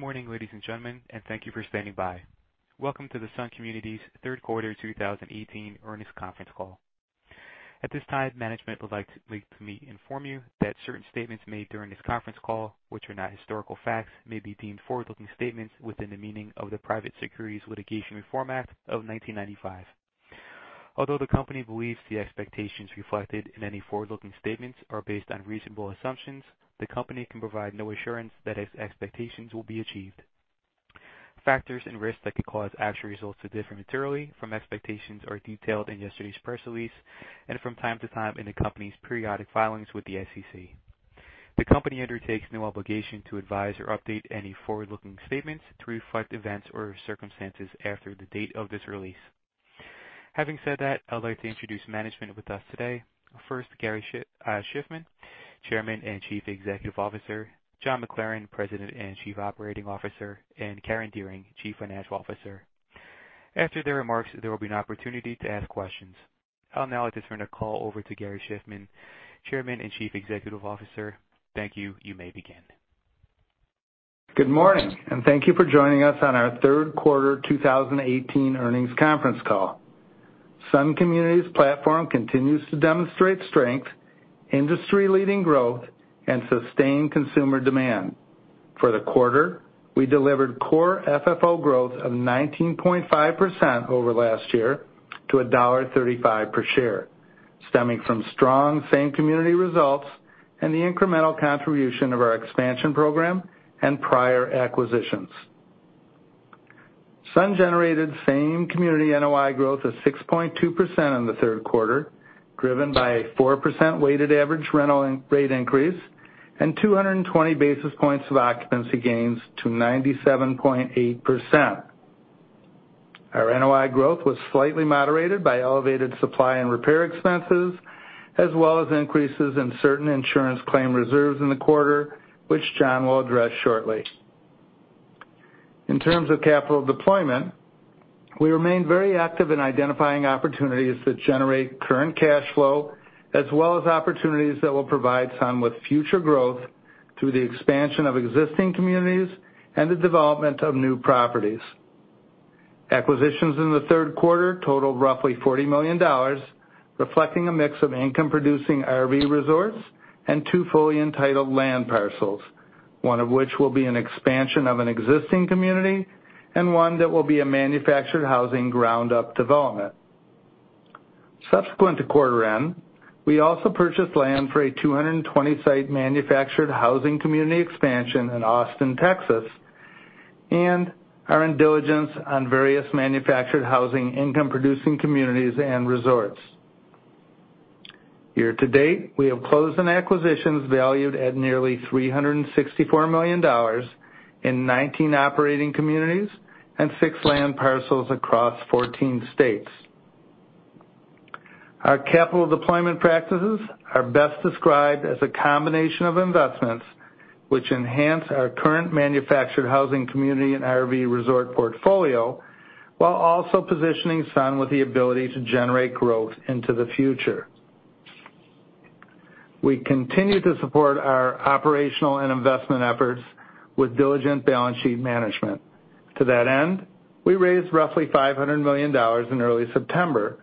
Good morning, ladies and gentlemen, and thank you for standing by. Welcome to the Sun Communities third quarter 2018 earnings conference call. At this time, management would like to inform you that certain statements made during this conference call, which are not historical facts, may be deemed forward-looking statements within the meaning of the Private Securities Litigation Reform Act of 1995. Although the company believes the expectations reflected in any forward-looking statements are based on reasonable assumptions, the company can provide no assurance that its expectations will be achieved. Factors and risks that could cause actual results to differ materially from expectations are detailed in yesterday's press release and from time to time in the company's periodic filings with the SEC. The company undertakes no obligation to advise or update any forward-looking statements to reflect events or circumstances after the date of this release. Having said that, I'd like to introduce management with us today. First, Gary Shiffman, Chairman and Chief Executive Officer, John McLaren, President and Chief Operating Officer, and Karen Dearing, Chief Financial Officer. After their remarks, there will be an opportunity to ask questions. I'll now just turn the call over to Gary Shiffman, Chairman and Chief Executive Officer. Thank you. You may begin. Good morning, and thank you for joining us on our third quarter 2018 earnings conference call. Sun Communities' platform continues to demonstrate strength, industry-leading growth, and sustained consumer demand. For the quarter, we delivered core FFO growth of 19.5% over last year to $1.35 per share, stemming from strong same community results and the incremental contribution of our expansion program and prior acquisitions. Sun generated same community NOI growth of 6.2% in the third quarter, driven by a 4% weighted average rental rate increase and 220 basis points of occupancy gains to 97.8%. Our NOI growth was slightly moderated by elevated supply and repair expenses, as well as increases in certain insurance claim reserves in the quarter, which John will address shortly. In terms of capital deployment, we remain very active in identifying opportunities that generate current cash flow, as well as opportunities that will provide Sun with future growth through the expansion of existing communities and the development of new properties. Acquisitions in the third quarter totaled roughly $40 million, reflecting a mix of income-producing RV resorts and two fully entitled land parcels, one of which will be an expansion of an existing community, and one that will be a manufactured housing ground-up development. Subsequent to quarter end, we also purchased land for a 220-site manufactured housing community expansion in Austin, Texas, and are in diligence on various manufactured housing income-producing communities and resorts. Year to date, we have closed on acquisitions valued at nearly $364 million in 19 operating communities and six land parcels across 14 states. Our capital deployment practices are best described as a combination of investments which enhance our current manufactured housing community and RV resort portfolio, while also positioning Sun with the ability to generate growth into the future. We continue to support our operational and investment efforts with diligent balance sheet management. To that end, we raised roughly $500 million in early September,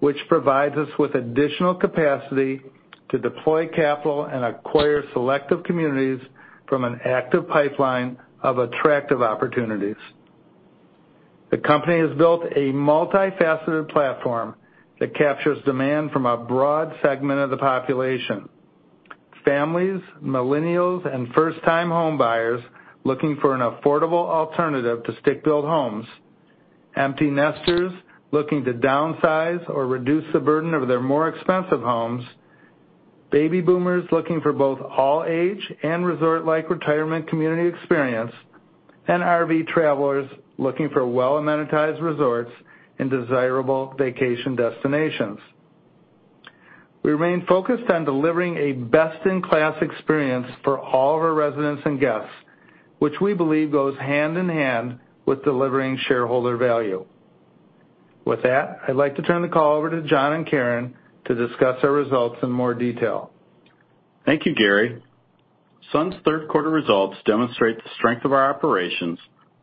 which provides us with additional capacity to deploy capital and acquire selective communities from an active pipeline of attractive opportunities. The company has built a multifaceted platform that captures demand from a broad segment of the population. Families, millennials, and first-time homebuyers looking for an affordable alternative to stick-built homes, empty nesters looking to downsize or reduce the burden of their more expensive homes, baby boomers looking for both all-age and resort-like retirement community experience, and RV travelers looking for well-amenitized resorts in desirable vacation destinations. We remain focused on delivering a best-in-class experience for all of our residents and guests, which we believe goes hand in hand with delivering shareholder value. With that, I'd like to turn the call over to John and Karen to discuss our results in more detail. Thank you, Gary. Sun's third quarter results demonstrate the strength of our operations,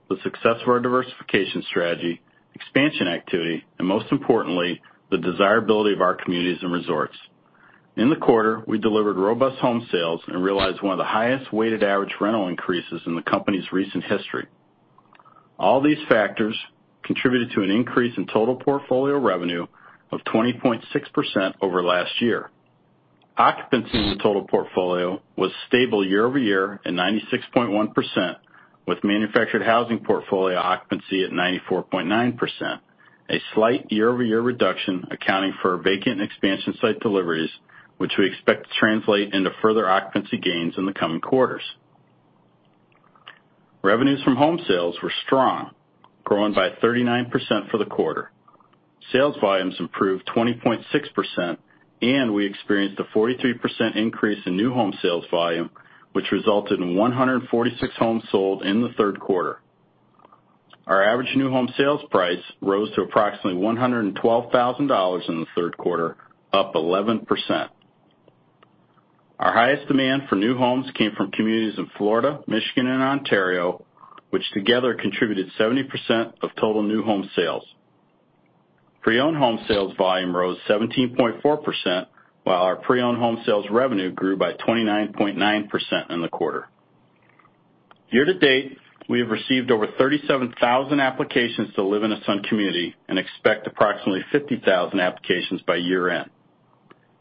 the success of our diversification strategy, expansion activity, and most importantly, the desirability of our communities and resorts. In the quarter, we delivered robust home sales and realized one of the highest weighted average rental increases in the company's recent history. All these factors contributed to an increase in total portfolio revenue of 20.6% over last year. Occupancy in the total portfolio was stable year-over-year at 96.1%, with manufactured housing portfolio occupancy at 94.9%, a slight year-over-year reduction accounting for vacant expansion site deliveries, which we expect to translate into further occupancy gains in the coming quarters. Revenues from home sales were strong, growing by 39% for the quarter. Sales volumes improved 20.6%, and we experienced a 43% increase in new home sales volume, which resulted in 146 homes sold in the third quarter. Our average new home sales price rose to approximately $112,000 in the third quarter, up 11%. Our highest demand for new homes came from communities in Florida, Michigan, and Ontario, which together contributed 70% of total new home sales. Pre-owned home sales volume rose 17.4%, while our pre-owned home sales revenue grew by 29.9% in the quarter. Year-to-date, we have received over 37,000 applications to live in a Sun community and expect approximately 50,000 applications by year-end.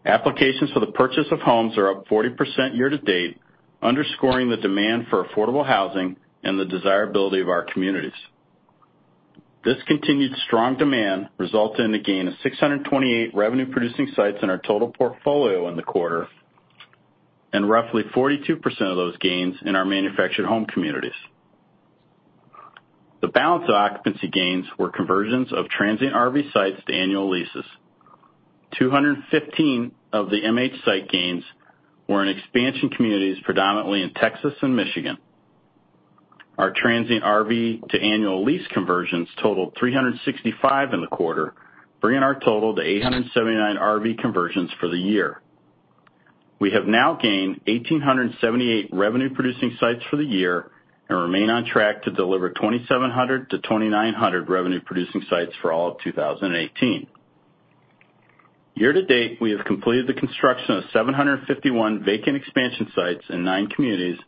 Applications for the purchase of homes are up 40% year-to-date, underscoring the demand for affordable housing and the desirability of our communities. This continued strong demand resulted in a gain of 628 revenue-producing sites in our total portfolio in the quarter and roughly 42% of those gains in our manufactured home communities. The balance of occupancy gains were conversions of transient RV sites to annual leases. 215 of the MH site gains were in expansion communities, predominantly in Texas and Michigan. Our transient RV to annual lease conversions totaled 365 in the quarter, bringing our total to 879 RV conversions for the year. We have now gained 1,878 revenue-producing sites for the year and remain on track to deliver 2,700-2,900 revenue-producing sites for all of 2018. Year to date, we have completed the construction of 751 vacant expansion sites in nine communities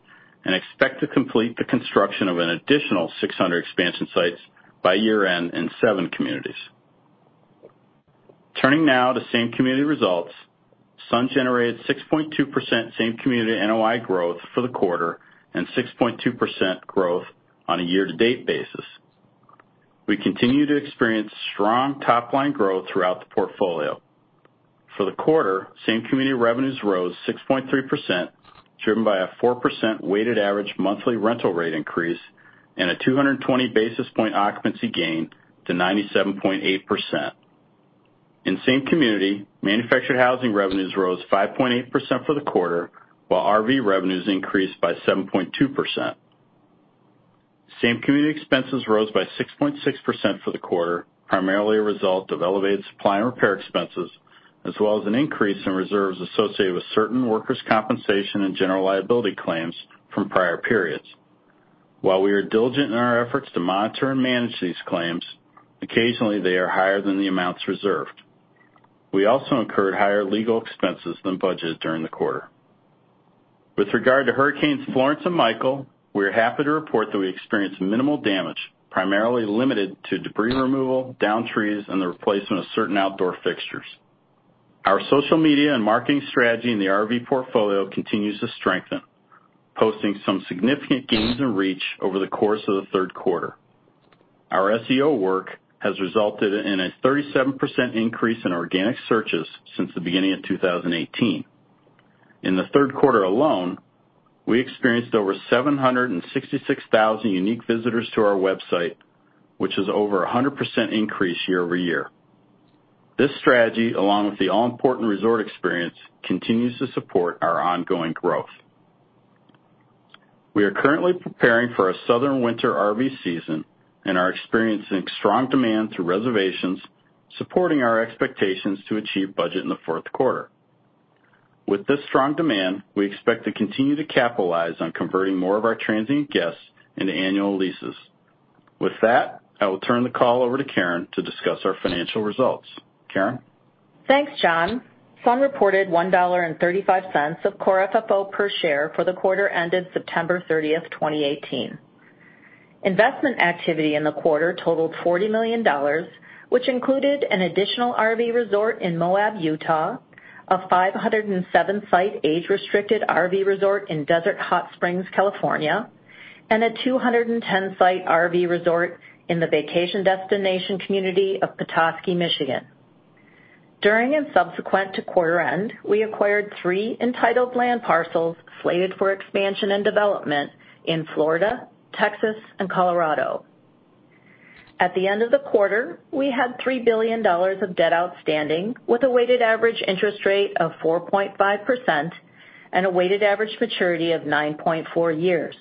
and expect to complete the construction of an additional 600 expansion sites by year-end in seven communities. Turning now to same community results, Sun generated 6.2% same community NOI growth for the quarter and 6.2% growth on a year-to-date basis. We continue to experience strong top-line growth throughout the portfolio. For the quarter, same-community revenues rose 6.3%, driven by a 4% weighted average monthly rental rate increase and a 220 basis point occupancy gain to 97.8%. In same community, manufactured housing revenues rose 5.8% for the quarter, while RV revenues increased by 7.2%. Same-community expenses rose by 6.6% for the quarter, primarily a result of elevated supply and repair expenses, as well as an increase in reserves associated with certain workers' compensation and general liability claims from prior periods. While we are diligent in our efforts to monitor and manage these claims, occasionally, they are higher than the amounts reserved. We also incurred higher legal expenses than budgeted during the quarter. With regard to Hurricanes Florence and Michael, we are happy to report that we experienced minimal damage, primarily limited to debris removal, downed trees, and the replacement of certain outdoor fixtures. Our social media and marketing strategy in the RV portfolio continues to strengthen, posting some significant gains in reach over the course of the third quarter. Our SEO work has resulted in a 37% increase in organic searches since the beginning of 2018. In the third quarter alone, we experienced over 766,000 unique visitors to our website, which is over 100% increase year-over-year. This strategy, along with the all-important resort experience, continues to support our ongoing growth. We are currently preparing for a southern winter RV season and are experiencing strong demand through reservations, supporting our expectations to achieve budget in the fourth quarter. With this strong demand, we expect to continue to capitalize on converting more of our transient guests into annual leases. With that, I will turn the call over to Karen to discuss our financial results. Karen? Thanks, John. Sun reported $1.35 of core FFO per share for the quarter ended September 30th, 2018. Investment activity in the quarter totaled $40 million, which included an additional RV resort in Moab, Utah, a 507-site age-restricted RV resort in Desert Hot Springs, California, and a 210-site RV resort in the vacation destination community of Petoskey, Michigan. During and subsequent to quarter end, we acquired three entitled land parcels slated for expansion and development in Florida, Texas, and Colorado. At the end of the quarter, we had $3 billion of debt outstanding with a weighted average interest rate of 4.5% and a weighted average maturity of 9.4 years.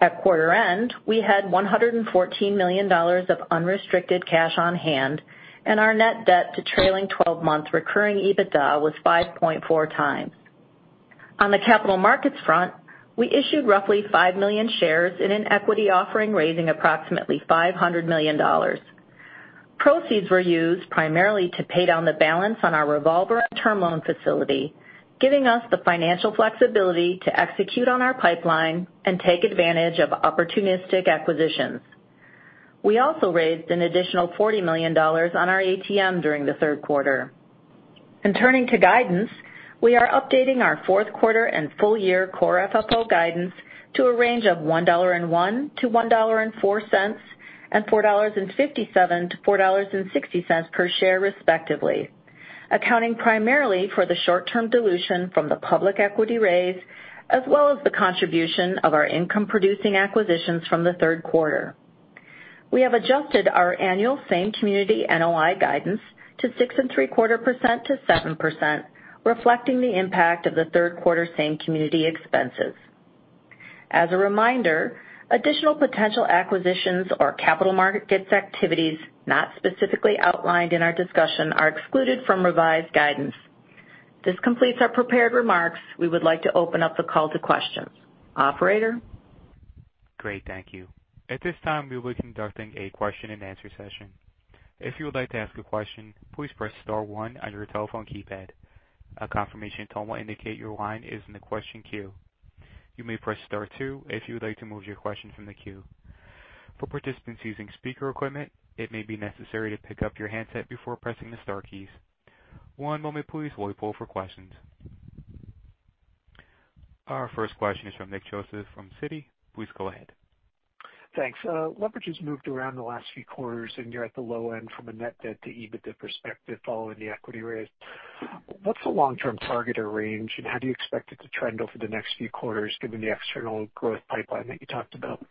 At quarter end, we had $114 million of unrestricted cash on hand, and our net debt to trailing 12 months recurring EBITDA was 5.4 times. On the capital markets front, we issued roughly 5 million shares in an equity offering, raising approximately $500 million. Proceeds were used primarily to pay down the balance on our revolver and term loan facility, giving us the financial flexibility to execute on our pipeline and take advantage of opportunistic acquisitions. We also raised an additional $40 million on our ATM during the third quarter. Turning to guidance, we are updating our fourth quarter and full year core FFO guidance to a range of $1.01 to $1.04 and $4.57 to $4.60 per share, respectively, accounting primarily for the short-term dilution from the public equity raise, as well as the contribution of our income-producing acquisitions from the third quarter. We have adjusted our annual same community NOI guidance to 6.75%-7%, reflecting the impact of the third quarter same community expenses. As a reminder, additional potential acquisitions or capital market activities not specifically outlined in our discussion are excluded from revised guidance. This completes our prepared remarks. We would like to open up the call to questions. Operator? Great. Thank you. At this time, we will be conducting a question and answer session. If you would like to ask a question, please press star one on your telephone keypad. A confirmation tone will indicate your line is in the question queue. You may press star two if you would like to move your question from the queue. For participants using speaker equipment, it may be necessary to pick up your handset before pressing the star keys. One moment please, while we poll for questions. Our first question is from Nicholas Joseph from Citigroup. Please go ahead. Thanks. Leverage has moved around the last few quarters, you're at the low end from a net debt to EBITDA perspective following the equity raise. What's the long-term target or range, and how do you expect it to trend over the next few quarters given the external growth pipeline that you talked about?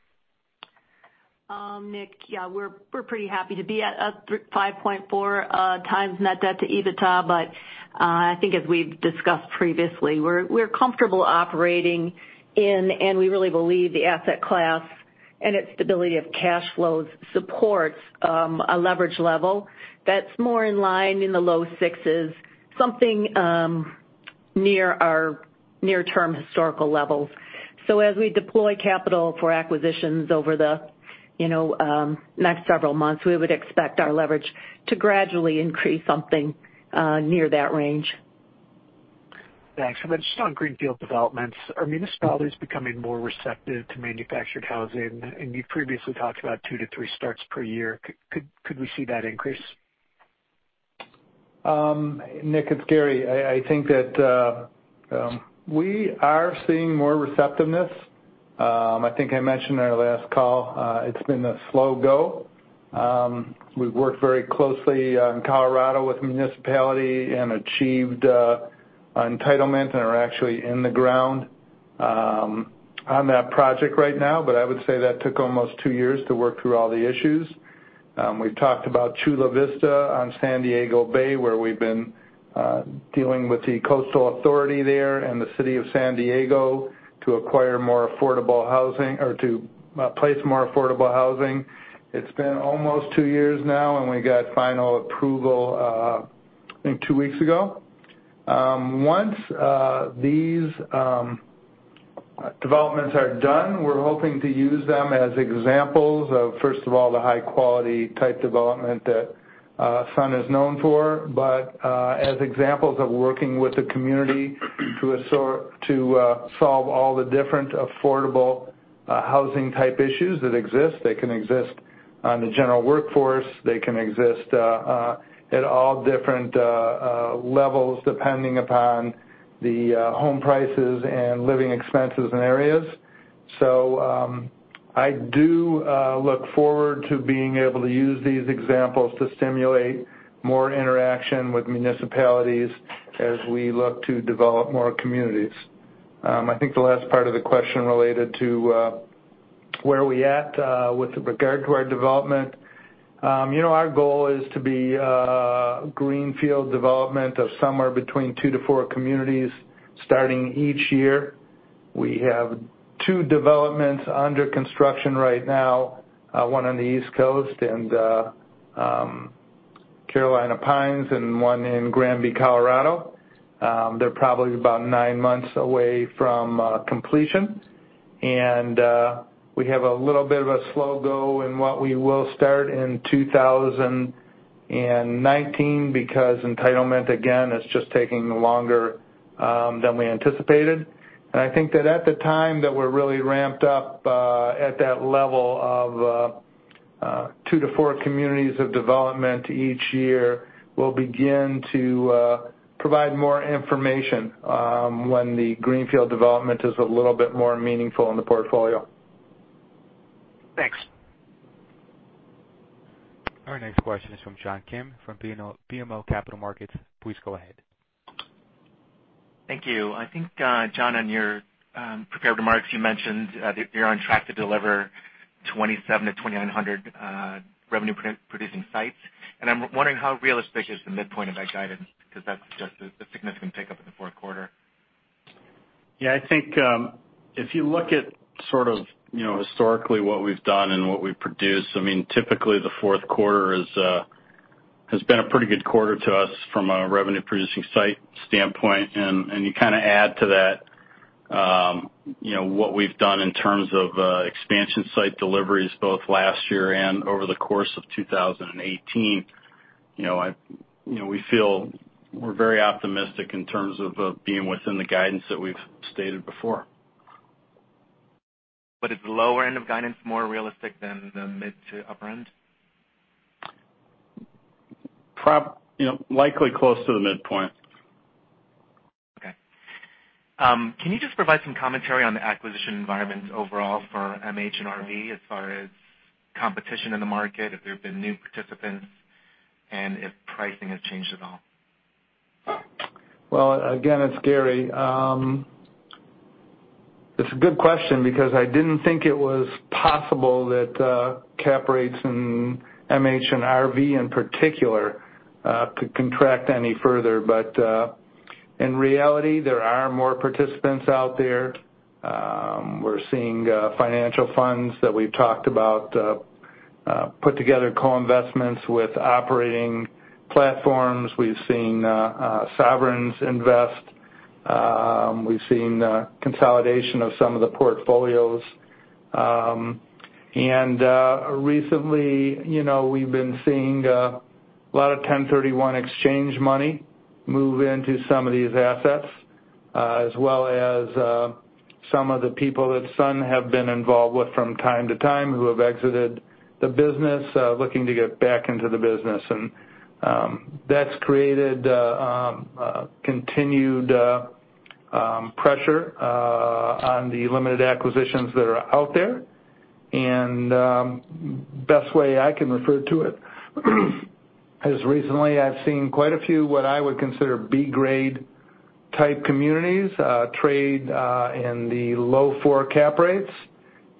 Nick, yeah, we're pretty happy to be at 5.4x net debt to EBITDA. I think as we've discussed previously, we're comfortable operating in, and we really believe the asset class and its stability of cash flows supports, a leverage level that's more in line in the low 6s, something near our near-term historical levels. As we deploy capital for acquisitions over the next several months, we would expect our leverage to gradually increase something near that range. Thanks. Just on greenfield developments, are municipalities becoming more receptive to manufactured housing? You previously talked about 2-3 starts per year. Could we see that increase? Nick, it's Gary. I think that we are seeing more receptiveness. I think I mentioned in our last call, it's been a slow go. We've worked very closely in Colorado with municipality and achieved entitlement and are actually in the ground on that project right now. I would say that took almost two years to work through all the issues. We've talked about Chula Vista on San Diego Bay, where we've been dealing with the coastal authority there and the city of San Diego to acquire more affordable housing or to place more affordable housing. It's been almost two years now, and we got final approval, I think, two weeks ago. Once these developments are done, we're hoping to use them as examples of, first of all, the high-quality type development that Sun is known for, as examples of working with the community to solve all the different affordable housing-type issues that exist. They can exist on the general workforce. They can exist at all different levels, depending upon the home prices and living expenses in areas. I do look forward to being able to use these examples to stimulate more interaction with municipalities as we look to develop more communities. I think the last part of the question related to where are we at with regard to our development. Our goal is to be a greenfield development of somewhere between 2-4 communities starting each year. We have two developments under construction right now, one on the East Coast and Carolina Pines and one in Granby, Colorado. They're probably about nine months away from completion. We have a little bit of a slow go in what we will start in 2019, because entitlement, again, is just taking longer than we anticipated. I think that at the time that we're really ramped up at that level of two to four communities of development each year, we'll begin to provide more information when the greenfield development is a little bit more meaningful in the portfolio. Thanks. Our next question is from John Kim from BMO Capital Markets. Please go ahead. Thank you. I think, John, in your prepared remarks, you mentioned that you're on track to deliver 2,700-2,900 revenue-producing sites. I'm wondering how realistic is the midpoint of that guidance, because that suggests a significant pickup in the fourth quarter. Yeah, I think, if you look at sort of historically what we've done and what we produce, typically, the fourth quarter has been a pretty good quarter to us from a revenue-producing site standpoint. You kind of add to that what we've done in terms of expansion site deliveries both last year and over the course of 2018. We feel we're very optimistic in terms of being within the guidance that we've stated before. Is the lower end of guidance more realistic than the mid to upper end? Likely close to the midpoint. Okay. Can you just provide some commentary on the acquisition environment overall for MH and RV as far as competition in the market, if there have been new participants, and if pricing has changed at all? Well, again, it's Gary. It's a good question because I didn't think it was possible that cap rates in MH and RV in particular could contract any further. In reality, there are more participants out there. We're seeing financial funds that we've talked about put together co-investments with operating platforms. We've seen sovereigns invest. We've seen consolidation of some of the portfolios. Recently, we've been seeing a lot of 1031 exchange money move into some of these assets, as well as some of the people that Sun have been involved with from time to time who have exited the business, looking to get back into the business. That's created a continued pressure on the limited acquisitions that are out there. Best way I can refer to it, is recently I've seen quite a few, what I would consider B grade type communities, trade in the low four cap rates.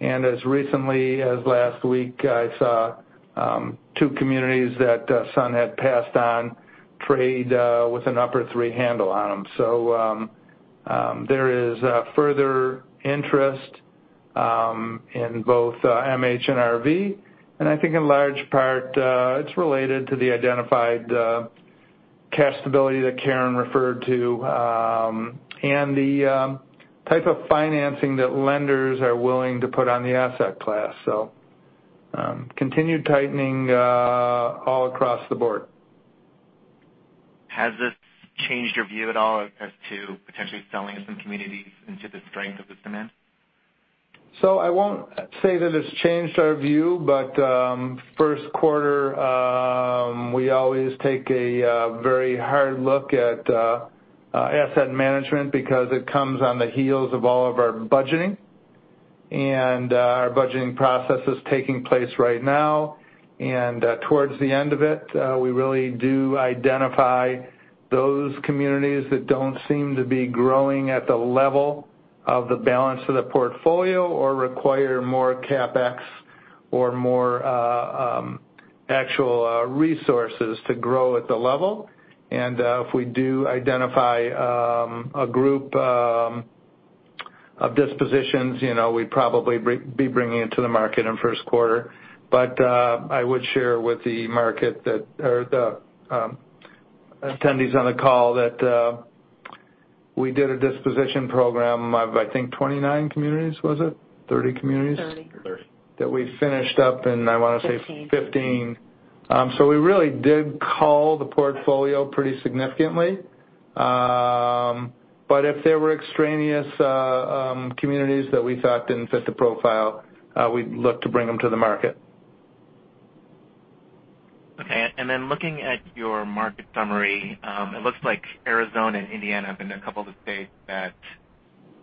As recently as last week, I saw two communities that Sun had passed on trade with an upper three handle on them. There is further interest in both MH and RV, and I think in large part, it's related to the identified cash stability that Karen referred to, and the type of financing that lenders are willing to put on the asset class. Continued tightening all across the board. Has this changed your view at all as to potentially selling some communities into the strength of this demand? I won't say that it's changed our view, but first quarter, we always take a very hard look at asset management because it comes on the heels of all of our budgeting. Our budgeting process is taking place right now. Towards the end of it, we really do identify those communities that don't seem to be growing at the level of the balance of the portfolio or require more CapEx or more actual resources to grow at the level. If we do identify a group of dispositions, we'd probably be bringing it to the market in first quarter. I would share with the attendees on the call that we did a disposition program of, I think, 29 communities, was it? 30 communities? 30. That we finished up in, I want to say- 15 We really did cull the portfolio pretty significantly. If there were extraneous communities that we thought didn't fit the profile, we'd look to bring them to the market. Okay. Looking at your market summary, it looks like Arizona and Indiana have been a couple of the states that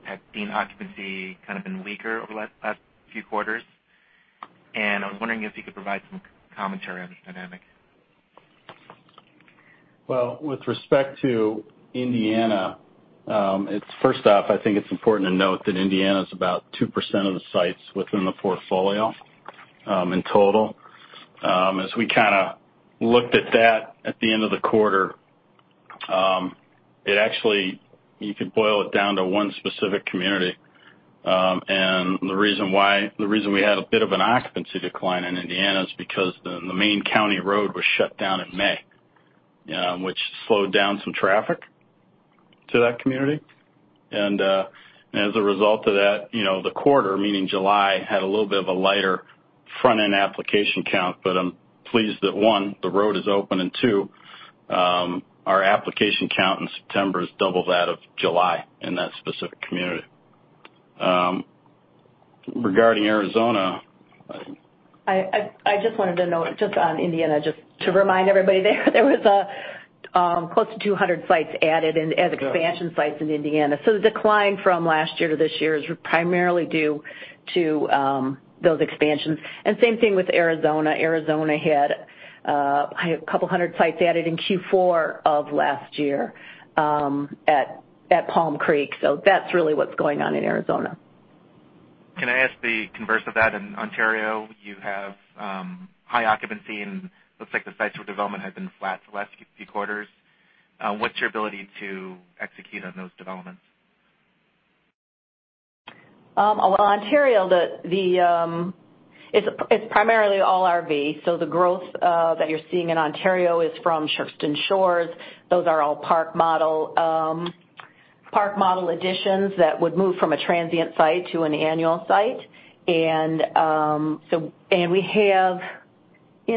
have seen occupancy kind of been weaker over the last few quarters. I'm wondering if you could provide some commentary on this dynamic. Well, with respect to Indiana, first off, I think it's important to note that Indiana is about 2% of the sites within the portfolio in total. As we kind of looked at that at the end of the quarter, you could boil it down to one specific community. The reason we had a bit of an occupancy decline in Indiana is because the main county road was shut down in May, which slowed down some traffic to that community. As a result of that, the quarter, meaning July, had a little bit of a lighter front-end application count, I'm pleased that, one, the road is open, and two, our application count in September has doubled that of July in that specific community. Regarding Arizona. I just wanted to note, just on Indiana, just to remind everybody there was close to 200 sites added as expansion sites in Indiana. The decline from last year to this year is primarily due to those expansions. Same thing with Arizona. Arizona had a couple hundred sites added in Q4 of last year at Palm Creek. That's really what's going on in Arizona. Can I ask the converse of that? In Ontario, you have high occupancy, looks like the sites for development have been flat for the last few quarters. What's your ability to execute on those developments? Well, Ontario, it's primarily all RV. The growth that you're seeing in Ontario is from Shakopee Shores. Those are all park model additions that would move from a transient site to an annual site. In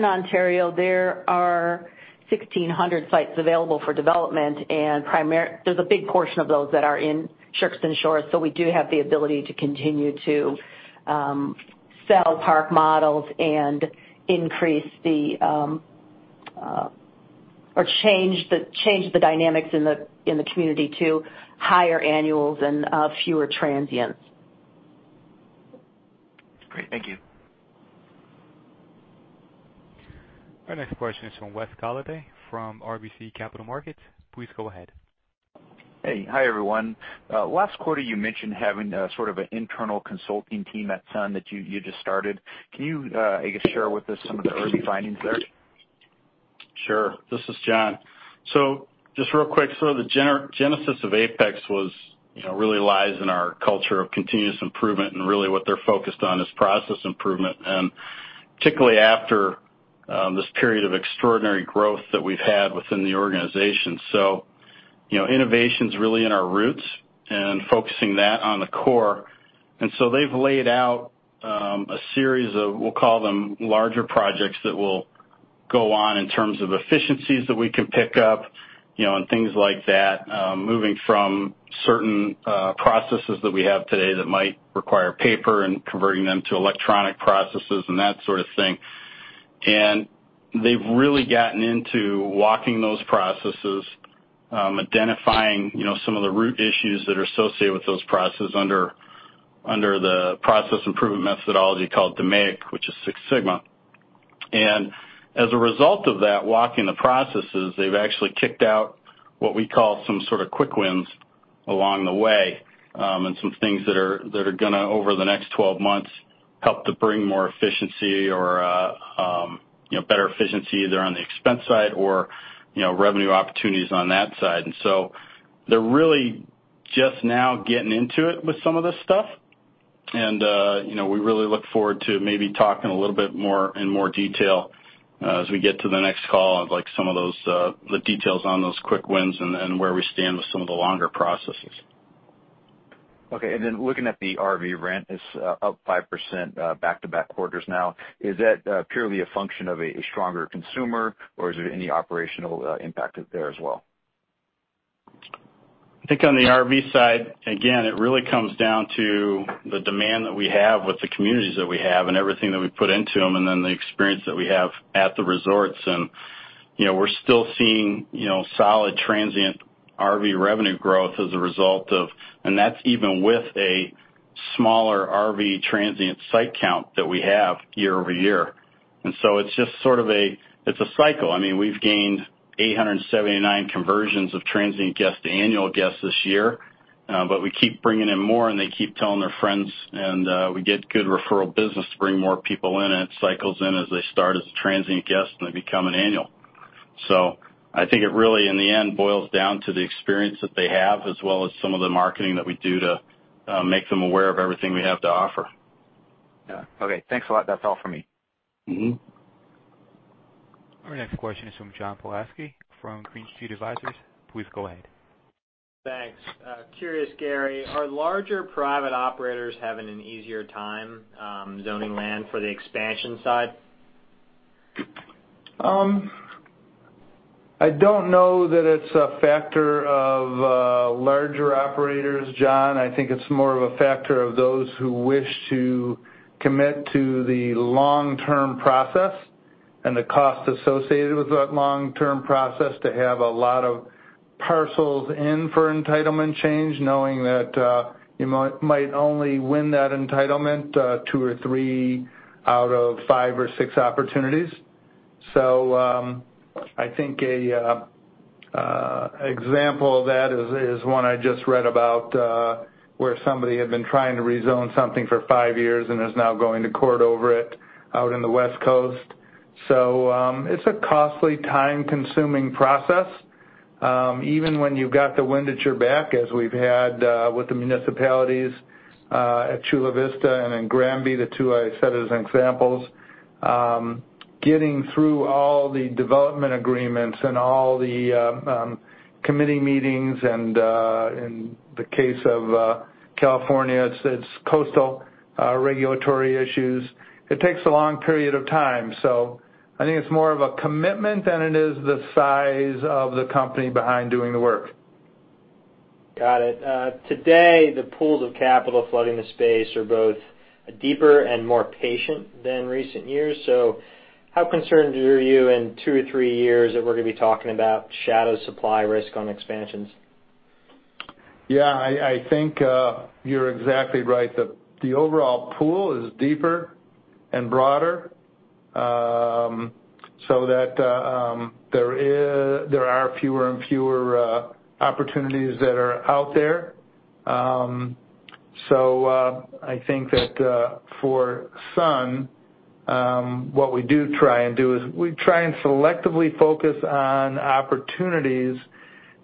Ontario, there are 1,600 sites available for development, there's a big portion of those that are in Shakopee Shores, we do have the ability to continue to sell park models and change the dynamics in the community to higher annuals and fewer transients. Great. Thank you. Our next question is from Wesley Golladay from RBC Capital Markets. Please go ahead. Hey. Hi, everyone. Last quarter, you mentioned having sort of an internal consulting team at Sun that you just started. Can you, I guess, share with us some of the early findings there? Sure. This is John. Just real quick, the genesis of Apex really lies in our culture of continuous improvement, and really what they're focused on is process improvement, particularly after this period of extraordinary growth that we've had within the organization. Innovation's really in our roots and focusing that on the core. They've laid out a series of, we'll call them larger projects that will go on in terms of efficiencies that we can pick up, and things like that, moving from certain processes that we have today that might require paper and converting them to electronic processes and that sort of thing. They've really gotten into walking those processes, identifying some of the root issues that are associated with those processes under the process improvement methodology called DMAIC, which is Six Sigma. As a result of that, walking the processes, they've actually kicked out what we call some sort of quick wins along the way, and some things that are going to, over the next 12 months, help to bring more efficiency or better efficiency either on the expense side or revenue opportunities on that side. They're really just now getting into it with some of this stuff, and we really look forward to maybe talking a little bit more in more detail as we get to the next call of like some of the details on those quick wins and where we stand with some of the longer processes. Okay, looking at the RV rent, it's up 5% back-to-back quarters now. Is that purely a function of a stronger consumer, or is there any operational impact there as well? I think on the RV side, again, it really comes down to the demand that we have with the communities that we have and everything that we put into them, then the experience that we have at the resorts. We're still seeing solid transient RV revenue growth as a result of That's even with a smaller RV transient site count that we have year-over-year. It's a cycle. We've gained 879 conversions of transient guests to annual guests this year, but we keep bringing in more, and they keep telling their friends, and we get good referral business to bring more people in, and it cycles in as they start as a transient guest, and they become an annual. I think it really, in the end, boils down to the experience that they have, as well as some of the marketing that we do to make them aware of everything we have to offer. Yeah. Okay. Thanks a lot. That's all for me. Our next question is from John Pawlowski from Green Street Advisors. Please go ahead. Thanks. Curious, Gary, are larger private operators having an easier time zoning land for the expansion side? I don't know that it's a factor of larger operators, John. I think it's more of a factor of those who wish to commit to the long-term process and the cost associated with that long-term process to have a lot of parcels in for entitlement change, knowing that you might only win that entitlement two or three out of five or six opportunities. I think an example of that is one I just read about, where somebody had been trying to rezone something for five years and is now going to court over it out in the West Coast. It's a costly, time-consuming process. Even when you've got the wind at your back, as we've had with the municipalities at Chula Vista and in Granby, the two I said as examples, getting through all the development agreements and all the committee meetings and in the case of California, it's coastal regulatory issues. It takes a long period of time. I think it's more of a commitment than it is the size of the company behind doing the work. Got it. Today, the pools of capital flooding the space are both deeper and more patient than recent years. How concerned are you in two or three years that we're going to be talking about shadow supply risk on expansions? I think you're exactly right that the overall pool is deeper and broader, so that there are fewer and fewer opportunities that are out there. I think that for Sun, what we do try and do is we try and selectively focus on opportunities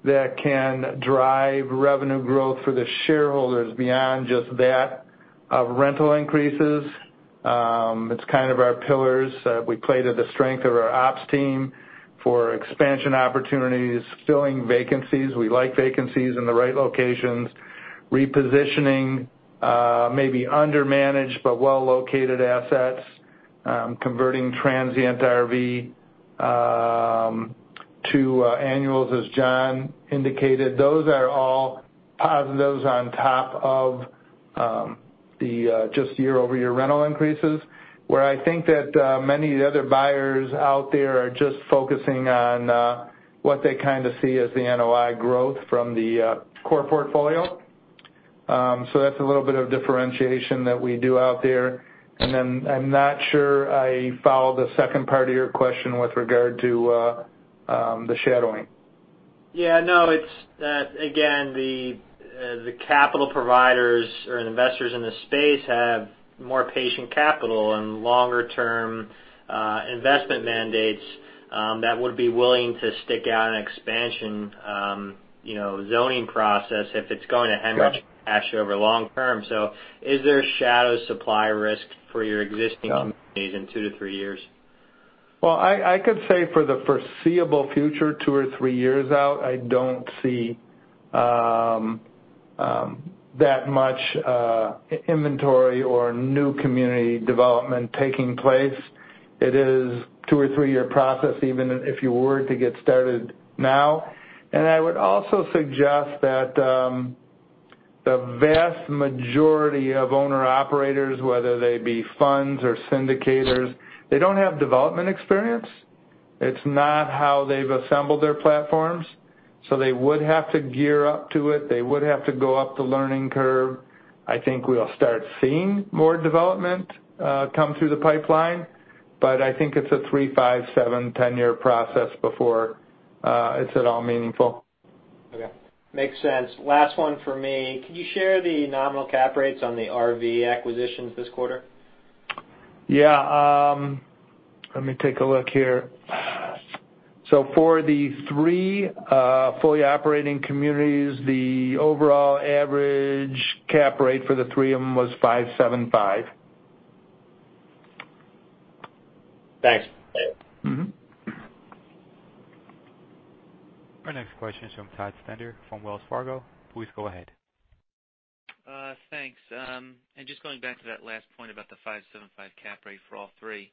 that can drive revenue growth for the shareholders beyond just that of rental increases. It's kind of our pillars. We play to the strength of our ops team for expansion opportunities, filling vacancies. We like vacancies in the right locations, repositioning maybe undermanaged but well-located assets, converting transient RV to annuals, as John indicated. Those are all positives on top of the just year-over-year rental increases. Where I think that many of the other buyers out there are just focusing on what they kind of see as the NOI growth from the core portfolio. That's a little bit of differentiation that we do out there. I'm not sure I follow the second part of your question with regard to the shadowing. Again, the capital providers or investors in the space have more patient capital and longer-term investment mandates that would be willing to stick out an expansion zoning process if it's going to hem much cash over long term. Is there shadow supply risk for your existing communities in two to three years? I could say for the foreseeable future, two or three years out, I don't see that much inventory or new community development taking place. It is a two or three-year process, even if you were to get started now. I would also suggest that the vast majority of owner-operators, whether they be funds or syndicators, they don't have development experience. It's not how they've assembled their platforms. They would have to gear up to it. They would have to go up the learning curve. I think we'll start seeing more development come through the pipeline, I think it's a three, five, seven, 10-year process before it's at all meaningful. Okay. Makes sense. Last one for me. Can you share the nominal cap rates on the RV acquisitions this quarter? Yeah. Let me take a look here. For the three fully operating communities, the overall average cap rate for the three of them was 5.75. Thanks. Our next question is from Todd Stender from Wells Fargo. Please go ahead. Thanks. Just going back to that last point about the 5.75 cap rate for all three.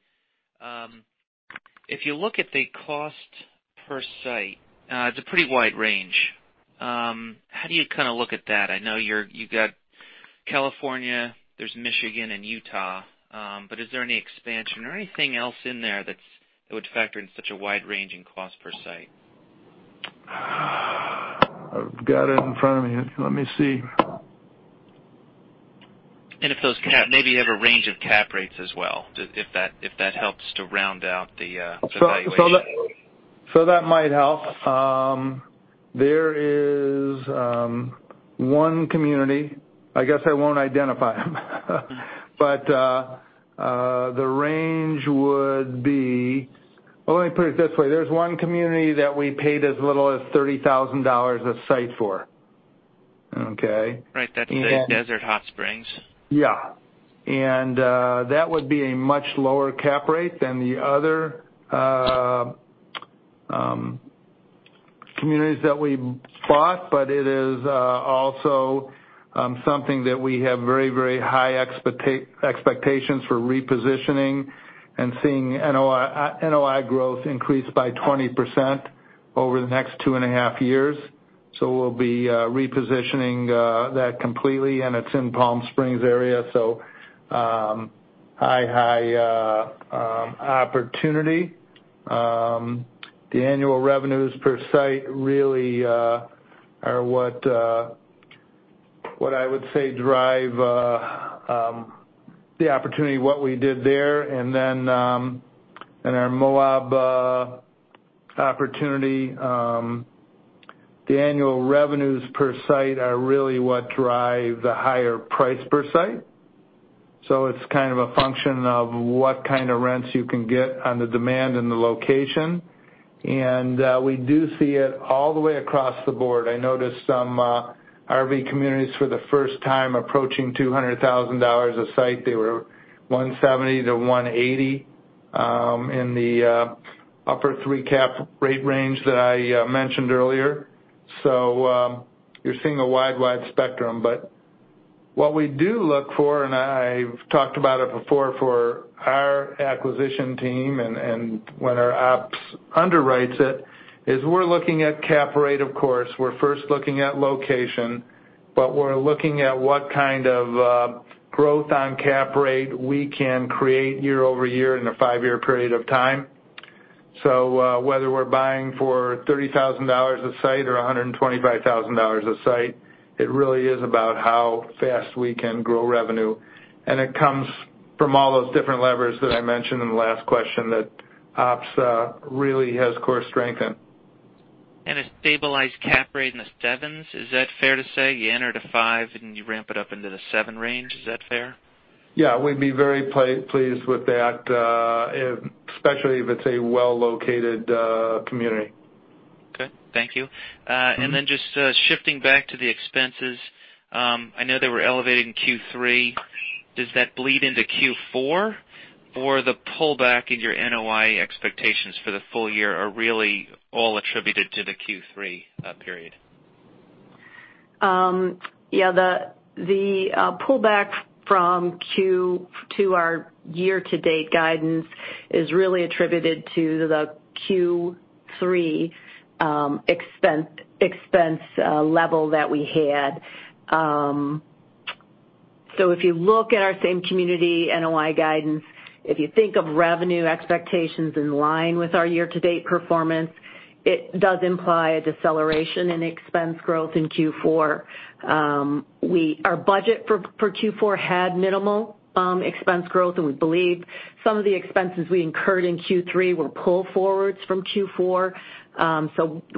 If you look at the cost per site, it's a pretty wide range. How do you look at that? I know you got California, there's Michigan, and Utah. Is there any expansion or anything else in there that would factor in such a wide range in cost per site? I've got it in front of me. Let me see. If those maybe you have a range of cap rates as well, if that helps to round out the valuation. That might help. There is one community, I guess I won't identify them, but, the range would be Well, let me put it this way. There's one community that we paid as little as $30,000 a site for. Okay? Right. That's the Desert Hot Springs. Yeah. That would be a much lower cap rate than the other communities that we bought. It is also something that we have very high expectations for repositioning and seeing NOI growth increase by 20% over the next two and a half years. We'll be repositioning that completely, and it's in Palm Springs area. High opportunity. The annual revenues per site really are what I would say drive the opportunity, what we did there. Our Moab opportunity, the annual revenues per site are really what drive the higher price per site. It's kind of a function of what kind of rents you can get on the demand and the location. We do see it all the way across the board. I noticed some RV communities for the first time approaching $200,000 a site. They were $170,000-$180,000 in the upper 3 cap rate range that I mentioned earlier. You're seeing a wide spectrum. What we do look for, and I've talked about it before for our acquisition team and when our ops underwrites it, is we're looking at cap rate, of course. We're first looking at location, but we're looking at what kind of growth on cap rate we can create year-over-year in a five-year period of time. Whether we're buying for $30,000 a site or $125,000 a site, it really is about how fast we can grow revenue. It comes from all those different levers that I mentioned in the last question, that ops really has core strength in. A stabilized cap rate in the 7s. Is that fair to say? You enter at a 5, and you ramp it up into the 7 range. Is that fair? Yeah, we'd be very pleased with that, especially if it's a well-located community. Okay. Thank you. Just shifting back to the expenses. I know they were elevated in Q3. Does that bleed into Q4? Or the pullback in your NOI expectations for the full year are really all attributed to the Q3 period? The pullback from Q2, our year-to-date guidance is really attributed to the Q3 expense level that we had. If you look at our same community NOI guidance, if you think of revenue expectations in line with our year-to-date performance, it does imply a deceleration in expense growth in Q4. Our budget for Q4 had minimal expense growth, and we believe some of the expenses we incurred in Q3 were pull forwards from Q4.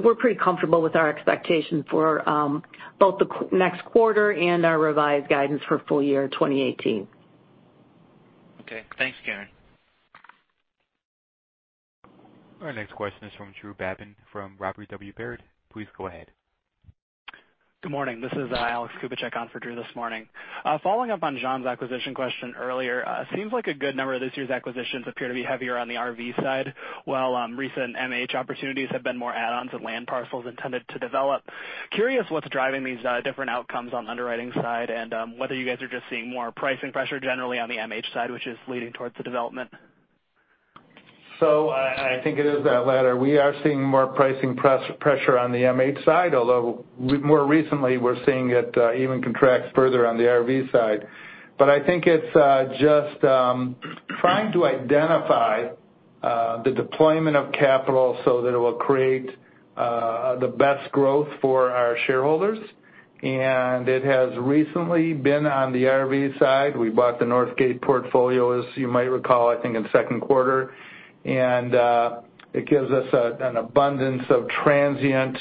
We're pretty comfortable with our expectation for both the next quarter and our revised guidance for full year 2018. Okay. Thanks, Karen. Our next question is from Drew Babin from Robert W. Baird. Please go ahead. Good morning. This is Alexander Kubicek on for Drew this morning. Following up on John's acquisition question earlier, seems like a good number of this year's acquisitions appear to be heavier on the RV side, while recent MH opportunities have been more add-ons and land parcels intended to develop. Curious what's driving these different outcomes on underwriting side and whether you guys are just seeing more pricing pressure generally on the MH side, which is leading towards the development. I think it is that latter. We are seeing more pricing pressure on the MH side, although more recently, we're seeing it even contract further on the RV side. I think it's just trying to identify the deployment of capital so that it will create the best growth for our shareholders. It has recently been on the RV side. We bought the Northgate portfolio, as you might recall, I think in the second quarter. It gives us an abundance of transient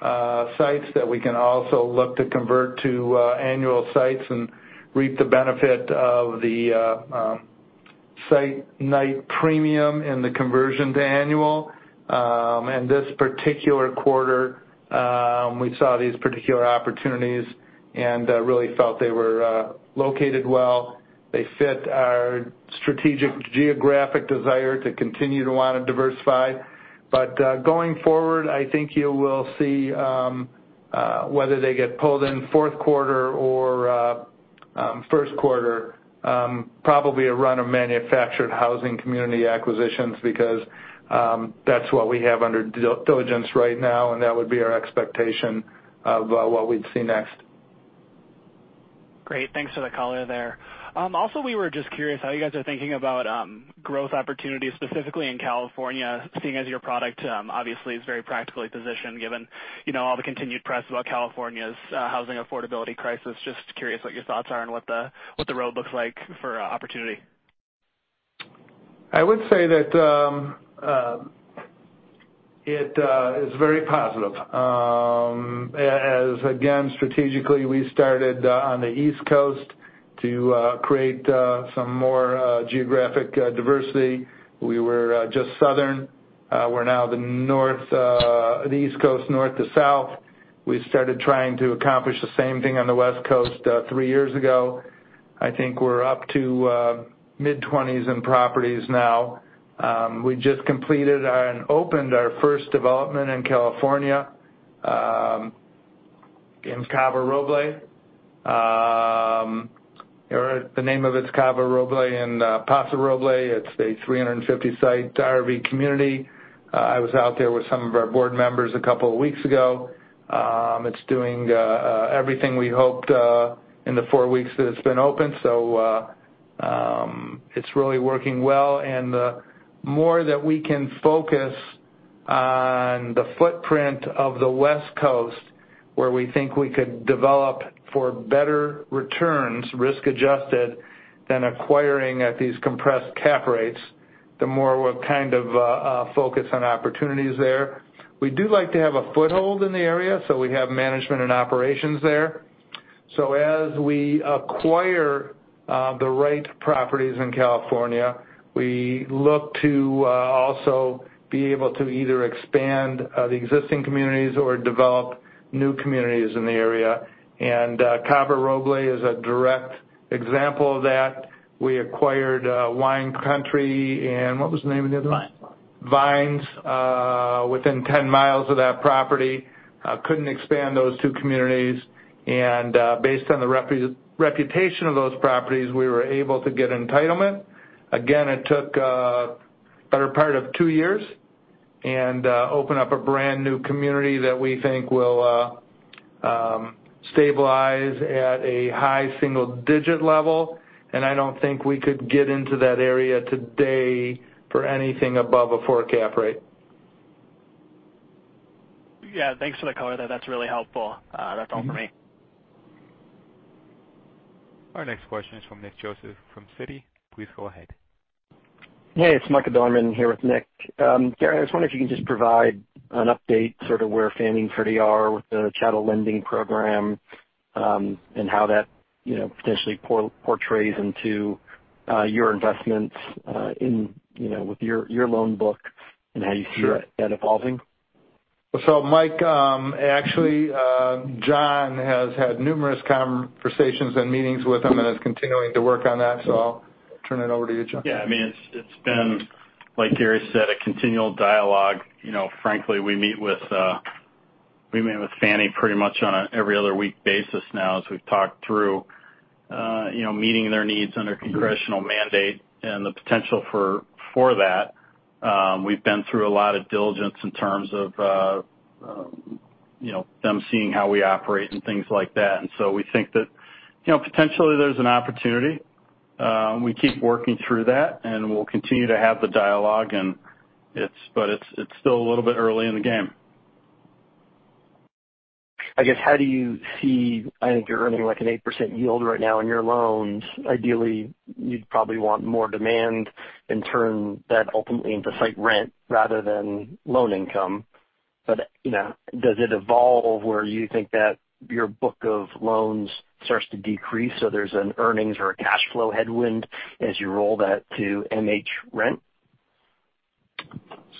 sites that we can also look to convert to annual sites and reap the benefit of the site night premium and the conversion to annual. This particular quarter, we saw these particular opportunities and really felt they were located well. They fit our strategic geographic desire to continue to want to diversify. Going forward, I think you will see, whether they get pulled in the fourth quarter or first quarter, probably a run of manufactured housing community acquisitions because that's what we have under diligence right now, and that would be our expectation of what we'd see next. Great. Thanks for the color there. We were just curious how you guys are thinking about growth opportunities, specifically in California, seeing as your product obviously is very practically positioned given all the continued press about California's housing affordability crisis. Just curious what your thoughts are and what the road looks like for opportunity. I would say that it is very positive. Strategically, we started on the East Coast to create some more geographic diversity. We were just southern. We're now the East Coast, north to south. We started trying to accomplish the same thing on the West Coast 3 years ago. I think we're up to mid-20s in properties now. We just completed and opened our 1st development in California, in Cava Robles. The name of it's Cava Robles in Paso Robles. It's a 350-site RV community. I was out there with some of our board members a couple of weeks ago. It's doing everything we hoped in the 4 weeks that it's been open, it's really working well. The more that we can focus on the footprint of the West Coast, where we think we could develop for better returns, risk-adjusted, than acquiring at these compressed cap rates, the more we'll kind of focus on opportunities there. We do like to have a foothold in the area, so we have management and operations there. As we acquire the right properties in California, we look to also be able to either expand the existing communities or develop new communities in the area. Cava Robles is a direct example of that. We acquired Wine Country and what was the name of the other one? Vines. Vines, within 10 miles of that property. Couldn't expand those 2 communities, based on the reputation of those properties, we were able to get entitlement. Again, it took the better part of 2 years opened up a brand-new community that we think will stabilize at a high single-digit level, I don't think we could get into that area today for anything above a 4 cap rate. Yeah, thanks for the color there. That's really helpful. That's all for me. Our next question is from Nicholas Joseph from Citigroup. Please go ahead. Hey, it's Mike Gorman here with Nick. Gary, I was wondering if you can just provide an update, sort of where Fannie and Freddie are with the chattel lending program, and how that potentially portrays into your investments with your loan book and how you see that evolving. Mike, actually, John has had numerous conversations and meetings with him and is continuing to work on that, so I'll turn it over to you, John. Yeah. It's been, like Gary said, a continual dialogue. Frankly, we meet with Fannie pretty much on an every other week basis now as we've talked through meeting their needs under congressional mandate and the potential for that. We've been through a lot of diligence in terms of them seeing how we operate and things like that. We think that potentially there's an opportunity. We keep working through that, and we'll continue to have the dialogue, but it's still a little bit early in the game. I guess, how do you see I think you're earning like an 8% yield right now on your loans. Ideally, you'd probably want more demand and turn that ultimately into site rent rather than loan income. Does it evolve where you think that your book of loans starts to decrease, so there's an earnings or a cash flow headwind as you roll that to MH rent?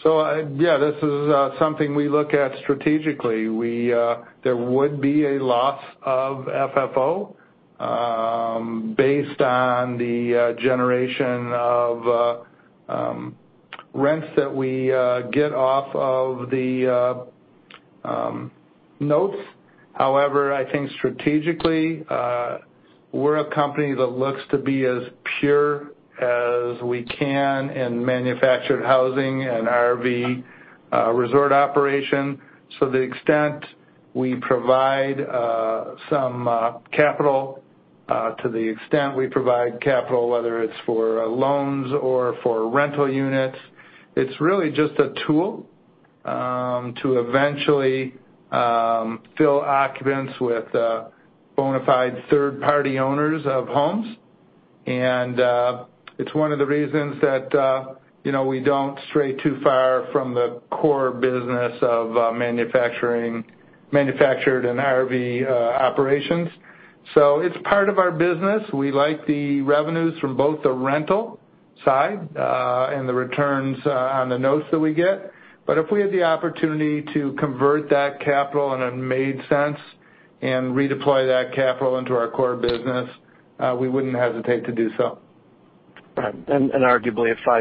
Yeah, this is something we look at strategically. There would be a loss of FFO based on the generation of rents that we get off of the notes. However, I think strategically, we're a company that looks to be as pure as we can in manufactured housing and RV resort operation, to the extent we provide capital, whether it's for loans or for rental units. It's really just a tool to eventually fill occupants with bona fide third-party owners of homes. It's one of the reasons that we don't stray too far from the core business of manufactured and RV operations. It's part of our business. We like the revenues from both the rental side and the returns on the notes that we get. If we had the opportunity to convert that capital and it made sense, and redeploy that capital into our core business, we wouldn't hesitate to do so. Right. Arguably at 5%,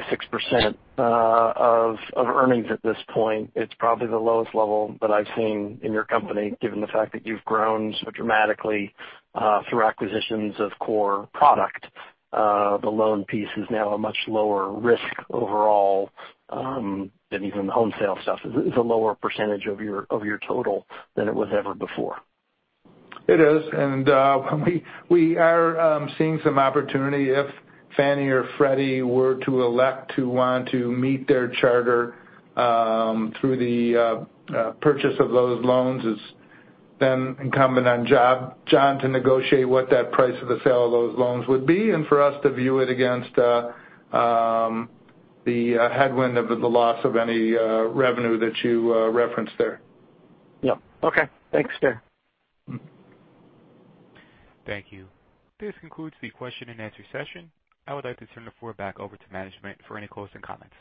6% of earnings at this point, it's probably the lowest level that I've seen in your company, given the fact that you've grown so dramatically through acquisitions of core product. The loan piece is now a much lower risk overall than even the home sale stuff. It's a lower percentage of your total than it was ever before. It is. We are seeing some opportunity if Fannie or Freddie were to elect to want to meet their charter through the purchase of those loans. It's then incumbent on John to negotiate what that price of the sale of those loans would be, and for us to view it against the headwind of the loss of any revenue that you referenced there. Yep. Okay. Thanks, Gary. Thank you. This concludes the question and answer session. I would like to turn the floor back over to management for any closing comments.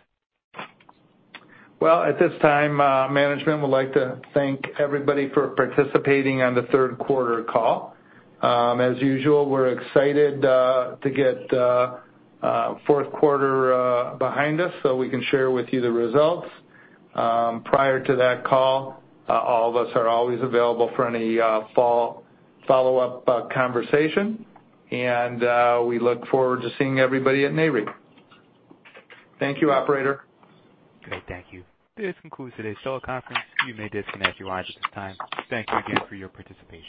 Well, at this time, management would like to thank everybody for participating on the third quarter call. As usual, we're excited to get fourth quarter behind us so we can share with you the results. Prior to that call, all of us are always available for any follow-up conversation, and we look forward to seeing everybody at Nareit. Thank you, operator. Okay, thank you. This concludes today's teleconference. You may disconnect your lines at this time. Thank you again for your participation.